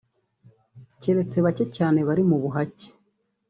Keretse bake cyane bari mu buhake